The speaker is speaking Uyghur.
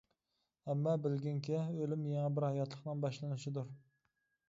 ئامما بىلگىنكى ئۆلۈم يېڭى بىر ھاياتلىقنىڭ باشلىنىشىدۇر.